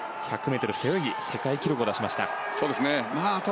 １００ｍ背泳ぎ世界記録を出しました。